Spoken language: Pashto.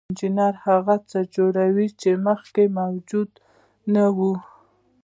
انجینر هغه څه جوړوي چې مخکې موجود نه وو.